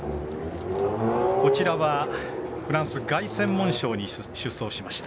こちらはフランス凱旋門賞に出走しました。